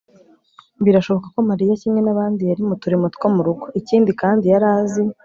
birashoboka ko mariya kimwe n'abandi yari mu turimo two mu rugo. ikindi kandi yari azi